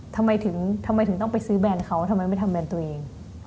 ทำไมถึงต้องไปซื้อแบรนด์เขาทำไมไม่ทำแบรนด์ตัวเอง